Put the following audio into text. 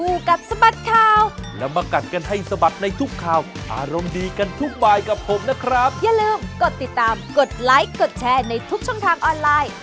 อย่าลืมกดติดตามกดไลค์กดแชร์ในทุกช่องทางออนไลน์